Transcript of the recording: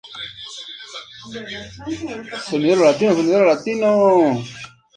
Entonces se acabará el infierno y empezará un tiempo de gran felicidad.